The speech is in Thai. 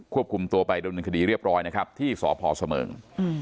ควบคุมตัวไปโดยมีคดีเรียบร้อยนะครับที่สพเสมง